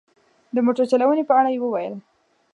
د موټر چلونې په اړه یې وویل.